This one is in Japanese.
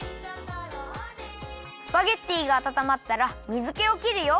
スパゲッティがあたたまったら水けをきるよ。